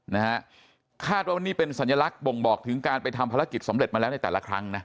นะฮะคาดว่านี่เป็นสัญลักษณ์บ่งบอกถึงการไปทำภารกิจสำเร็จมาแล้วในแต่ละครั้งนะ